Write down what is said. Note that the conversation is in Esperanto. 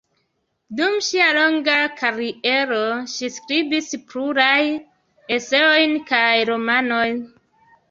Dum ŝia longa kariero ŝi skribis plurajn eseojn kaj romanojn.